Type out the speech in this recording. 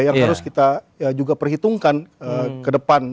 yang harus kita juga perhitungkan ke depan